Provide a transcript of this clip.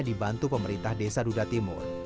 dibantu pemerintah desa duda timur